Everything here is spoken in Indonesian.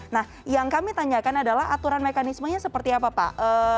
nah yang kami tanyakan adalah aturan mekanismenya seperti apa pak